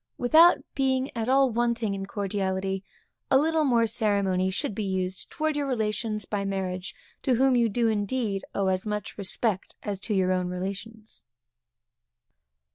Without being at all wanting in cordiality, a little more ceremony should be used towards your relations by marriage, to whom you indeed owe as much respect as to your own relations.